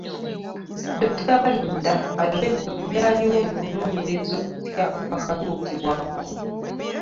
Dokita Balinda ayogedde ku byaliwo mu kunoonyereza okupya okwakatuukibwako.